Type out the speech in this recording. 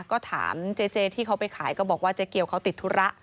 ก็ถามเจ๊ที่เขาไปขายก็บอกว่าเจ๊เกียวเขาติดธุระ